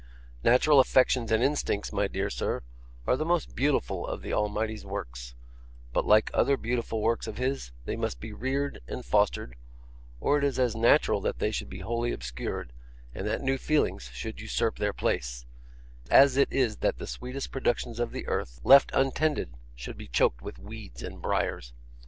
Natural affections and instincts, my dear sir, are the most beautiful of the Almighty's works, but like other beautiful works of His, they must be reared and fostered, or it is as natural that they should be wholly obscured, and that new feelings should usurp their place, as it is that the sweetest productions of the earth, left untended, should be choked with weeds and briers.